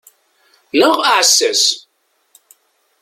Neɣ aɛessas.